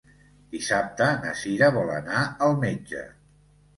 Dissabte na Sira vol anar al metge.